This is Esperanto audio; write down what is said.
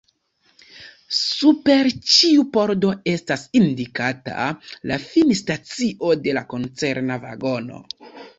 Super ĉiu pordo estas indikata la finstacio de la koncerna vagono.